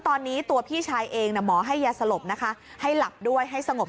ตอนนี้ตัวพี่ชายเองหมอให้ยาสลบนะคะให้หลับด้วยให้สงบ